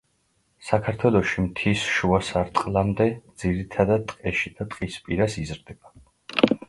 საქართველოში მთის შუა სარტყლამდე, ძირითადად ტყეში და ტყის პირას იზრდება.